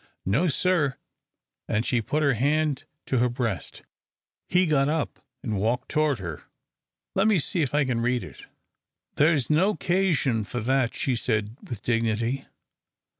"No, sir," and she put her hand to her breast. He got up and walked toward her. "Let me see if I can read it." "There's no 'casion for that," she said, with dignity.